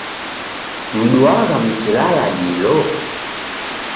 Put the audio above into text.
Mduagha mkilala dilo?